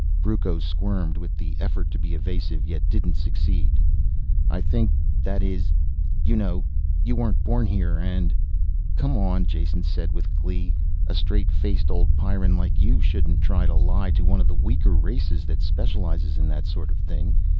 Brucco squirmed with the effort to be evasive, yet didn't succeed. "I think, that is, you know you weren't born here, and " "Come, come," Jason said with glee, "a straight faced old Pyrran like you shouldn't try to lie to one of the weaker races that specialize in that sort of thing.